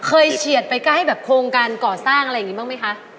เฉียดไปใกล้แบบโครงการก่อสร้างอะไรอย่างนี้บ้างไหมคะ